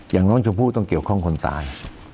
อย่างน้องชมพู่ต้องเกี่ยวข้องคนตาย